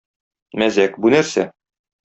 Мәзәк: бу нәрсә?